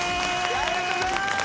ありがとうございます！